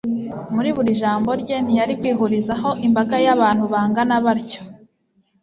muri buri jambo rye, ntiyari kwihurizaho imbaga y'abantu bangana batyo.